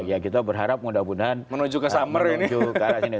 ya kita berharap mudah mudahan menuju ke summer ini